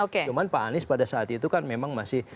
cuman pak anies pada saat itu kan memang masih